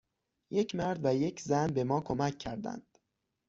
یک مرد و یک زن به ما کمک کردند.